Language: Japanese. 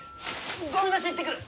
ゴミ出し行ってくる！